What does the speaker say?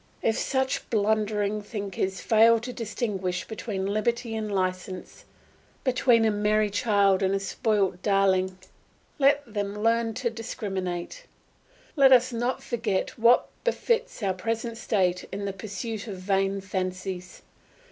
If such blundering thinkers fail to distinguish between liberty and licence, between a merry child and a spoilt darling, let them learn to discriminate. Let us not forget what befits our present state in the pursuit of vain fancies.